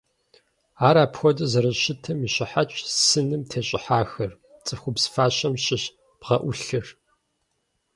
Ар апхуэдэу зэрыщытым и щыхьэтщ сыным тещӀыхьахэр – цӀыхубз фащэм щыщ бгъэӀулъыр.